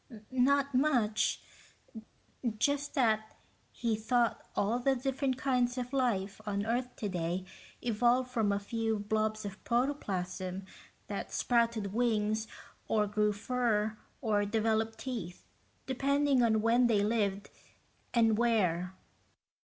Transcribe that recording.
"Not much. Just that he thought all the different kinds of life on earth today evolved from a few blobs of protoplasm that sprouted wings or grew fur or developed teeth, depending on when they lived, and where."